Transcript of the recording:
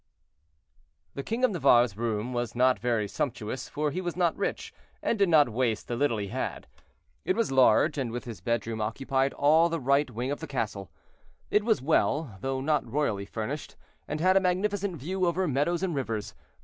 The king of Navarre's room was not very sumptuous, for he was not rich, and did not waste the little he had. It was large, and, with his bedroom, occupied all the right wing of the castle. It was well, though not royally furnished, and had a magnificent view over meadows and rivers.